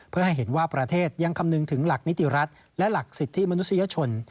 เพื่อให้เห็นว่าประเทศยังคำนึงถึงหลักนิติรัฐและหลักสิทธิมนุษยชน